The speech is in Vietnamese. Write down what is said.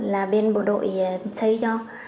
là bên bộ đội xây cho